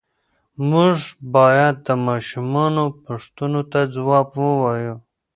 موږ باید د ماشومانو پوښتنو ته ځواب ووایو.